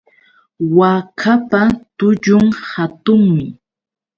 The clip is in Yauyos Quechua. Waakapa tullun hatunmi.